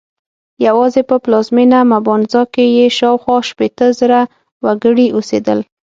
یوازې په پلازمېنه مبانزا کې یې شاوخوا شپېته زره وګړي اوسېدل.